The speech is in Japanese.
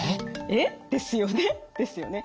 「えっ？」ですよね。